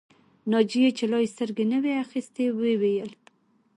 ناجيې چې لا يې سترګې نه وې اخيستې وویل